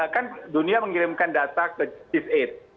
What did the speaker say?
kan dunia mengirimkan data ke chief delapan